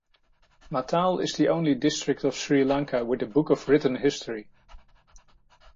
Matale is the only district of Sri Lanka, with a book of written history.